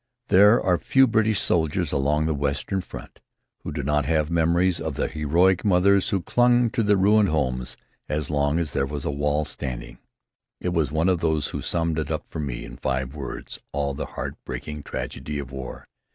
There are few British soldiers along the western front who do not have memories of the heroic mothers who clung to their ruined homes as long as there was a wall standing. It was one of these who summed up for me, in five words, all the heart breaking tragedy of war.